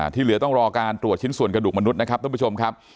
ที่เหลือต้องรอการตรวจชิ้นส่วนกระดูกมนุษย์นะครับท่านผู้ชมครับ